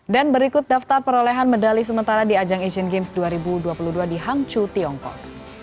dan berikut daftar perolehan medali sementara di ajang asian games dua ribu dua puluh dua di hang chu tiongkok